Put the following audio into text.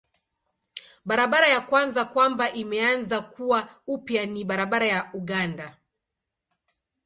Barabara ya kwanza kwamba imeanza kuwa upya ni barabara ya Uganda.